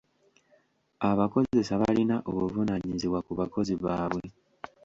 Abakozesa balina obuvunaanyizibwa ku bakozi baabwe.